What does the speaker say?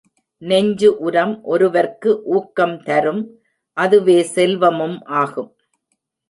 நெஞ்சு உரம் ஒருவர்க்கு ஊக்கம் தரும் அதுவே செல்வமும் ஆகும்.